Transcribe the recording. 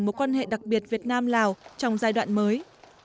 mối quan hệ đặc biệt việt nam lào trong giai đoạn mới